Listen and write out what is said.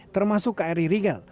termasuk kri riga